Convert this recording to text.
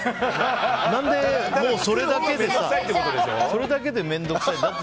何でそれだけで面倒くさいって。